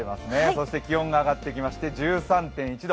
そして気温が上がってきまして１３．１度。